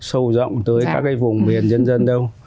sâu rộng tới các cái vùng miền dân dân đâu